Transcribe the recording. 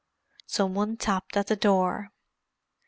Some one tapped at the door.